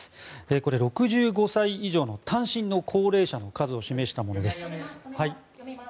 これ、６５歳以上の単身の高齢者の数を示したものです。